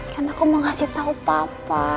kan aku mau ngasih tau papa